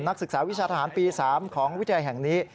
นักศึกษาวิชาทหารปี๓ของวิทยาลัยแห่งนี้